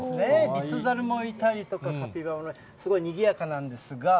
リスザルもいたりとか、カピバラもね、すごいにぎやかなんですが。